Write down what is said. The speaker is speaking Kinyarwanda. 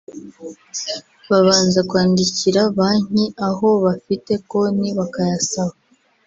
babanza kwandikira banki aho bafite konti bakayasaba